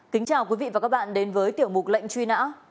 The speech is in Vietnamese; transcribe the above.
kính chào quý vị và các bạn đến với tiểu mục lệnh truy nã